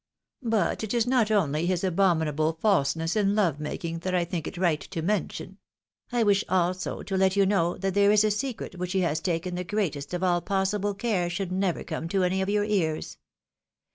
But it is not only his abominable falsehood in love making that I think it right to mention — I wish also to let you know that there is a secret which he has taken the greatest of alj possible care should never come to any of your ears.